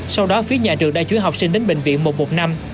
sau đó phía nhà trường đã chúa học sinh đến bệnh viện một trăm một mươi năm